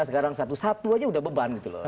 sekarang satu satu aja udah beban gitu loh